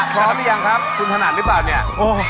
พร้อมหรือยังครับคุณถนัดหรือเปล่าเนี่ย